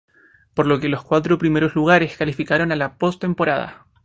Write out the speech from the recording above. Por lo que los cuatro primeros lugares calificaron a la postemporada.